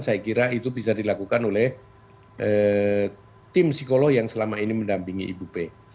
saya kira itu bisa dilakukan oleh tim psikolog yang selama ini mendampingi ibu p